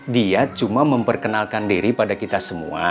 dia cuma memperkenalkan diri pada kita semua